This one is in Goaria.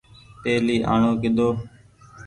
پهلي آڻو ڪيۮو۔